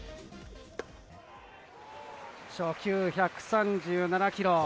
初球１３７キロ。